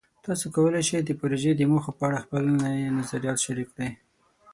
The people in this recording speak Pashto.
تاسو کولی شئ د پروژې د موخو په اړه خپلې نظریات شریک کړئ.